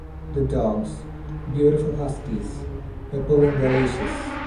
The dogs, beautiful Huskies, were pulling their leashes.